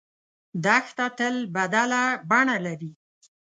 دښته تل بدله بڼه لري.